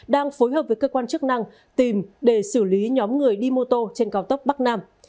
đang phối hợp với cơ quan chức năng tìm để xử lý nhóm người đi mô tô trên cao tốc bắc nam